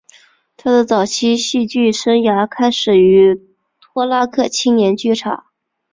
他的早期戏剧生涯开始于托拉克青年剧场。